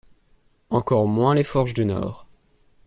Encore moins les forges du Nord.